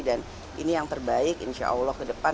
dan ini yang terbaik insya allah ke depan